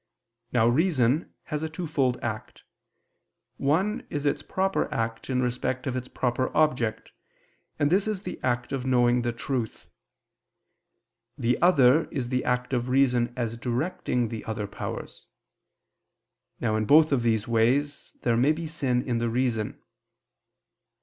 Now reason has a twofold act: one is its proper act in respect of its proper object, and this is the act of knowing the truth; the other is the act of reason as directing the other powers. Now in both of these ways there may be sin in the reason.